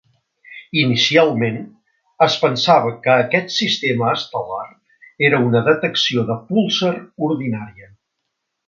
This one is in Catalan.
Inicialment, es pensava que aquest sistema estel·lar era una detecció de púlsar ordinària.